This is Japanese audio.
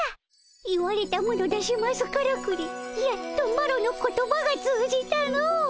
言われたもの出しますからくりやっとマロの言葉が通じたの。